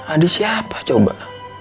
adi siapa coba